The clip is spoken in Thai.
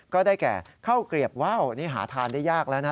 ก็ได้แก่ข้าวเกลียบว่าวนี่หาทานได้ยากแล้วนะ